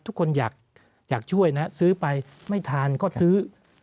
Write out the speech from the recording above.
ทุกคนอยากช่วยนะซื้อไปไม่ทานก็ซื้อ